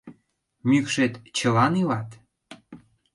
Мӱкшет чылан илат?